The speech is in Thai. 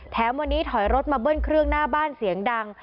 แถมวันนี้ถอยรถมาเบิ้ลเครื่องหน้าบ้านเสียงดัง